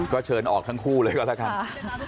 ก็เชิญออกทั้งคู่เลยก็แล้วกัน